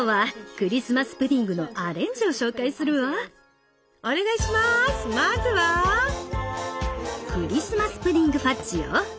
クリスマスプディング・ファッジよ！